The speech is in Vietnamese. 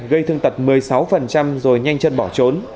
gây thương tật một mươi sáu rồi nhanh chân bỏ trốn